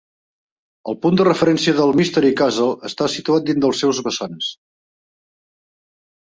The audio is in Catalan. El punt de referència del Mystery Castle està situat dins dels seus vessants.